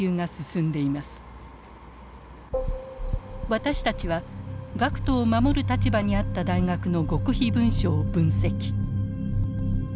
私たちは学徒を守る立場にあった大学の極秘文書を分析。